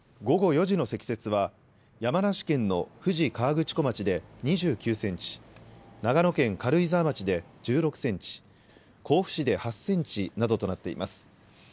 午後４時の積雪は、山梨県の富士河口湖町で２９センチ、長野県軽井沢町で１６センチ、甲府市で８センチなどとなっています。